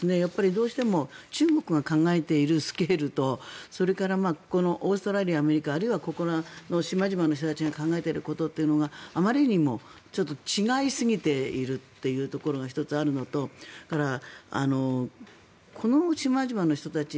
どうしても中国が考えているスケールとそれからオーストラリア、アメリカあるいはここの島々の人たちが考えていることというのがあまりにも違いすぎているというところが１つあるのとこの島々の人たち